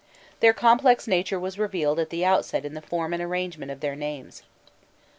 Their complex nature was revealed at the outset in the form and arrangement of their names.